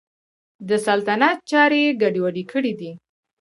د سلطنت چارې یې ګډې وډې کړي دي.